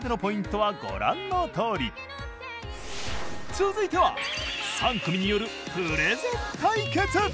続いては３組によるプレゼン対決！